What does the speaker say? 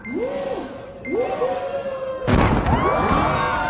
うわ！